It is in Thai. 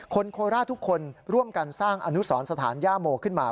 โคราชทุกคนร่วมกันสร้างอนุสรสถานย่าโมขึ้นมา